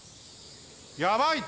やばいて。